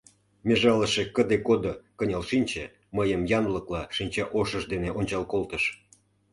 Межалыше кыде-годо кынел шинче, мыйым янлыкла шинчаошыж дене ончал колтыш.